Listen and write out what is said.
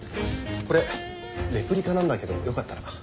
これレプリカなんだけどよかったら。